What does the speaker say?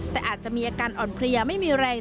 แต่อาจจะมีอาการอ่อนเพลียไม่มีแรง